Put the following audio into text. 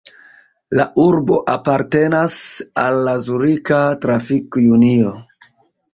La urbo apartenas al la Zurika Trafik-Unio.